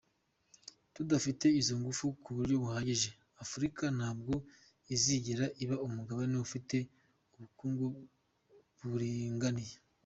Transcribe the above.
Tudafite izo ngufu mu buryo buhagije, Afurika ntabwo izigera iba umugabane ufite ubukungu buringaniye.”